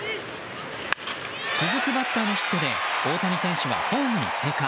続くバッターのヒットで大谷選手はホームに生還。